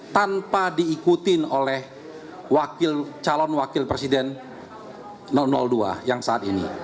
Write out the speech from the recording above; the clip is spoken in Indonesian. tanpa diikutin oleh calon wakil presiden dua yang saat ini